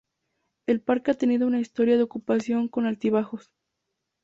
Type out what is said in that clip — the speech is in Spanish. El parque ha tenido una historia de ocupación con altibajos.